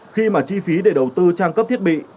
khi mà chi phí để đầu tư trang cấp thiết bị